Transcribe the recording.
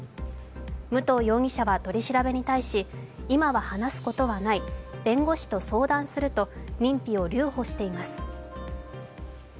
武藤容疑者は取り調べに対し、今は話すことはない、弁護士と相談すると認否を留保しています。